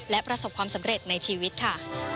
และประสบความสำเร็จในชีวิตค่ะ